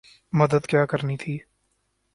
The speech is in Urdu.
مدد کیا کرنی تھی۔